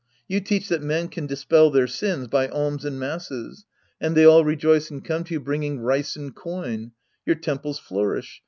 You teach that men can dispel their sins by alms and masses, and they all rejoice and come to you bringing rice and coin. Your temples flourish.